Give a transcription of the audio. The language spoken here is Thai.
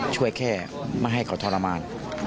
ช่วยแค่ไม่ให้เขาทรมาน